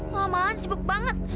laman man sibuk banget